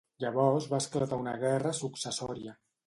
Llavors va esclatar una guerra successòria.